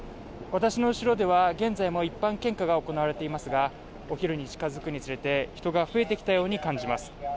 私の後ろでは現在も一般献花が行われていますがお昼に近づくにつれて人が増えてきたように感じます